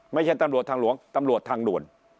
ไม่ใช่ตำรวจทางหลวงตำรวจทางด่วน